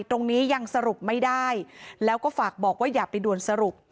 ยังสรุปไม่ได้แล้วก็ฝากบอกว่าอย่าไปด่วนสรุป